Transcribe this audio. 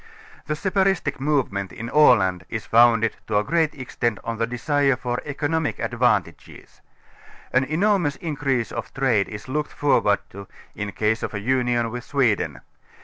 / The separatistic movement in Aland is founded to a great extent on the desire for economic advantages. An enormous increase of trade is looked forward to, in case of a union with Sweden.